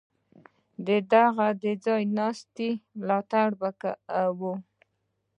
د هغه د ځای ناستي ملاتړ به کوو.